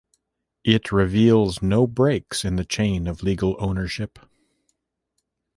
It reveals no breaks in the chain of legal ownership.